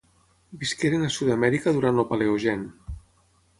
Visqueren a Sud-amèrica durant el Paleogen.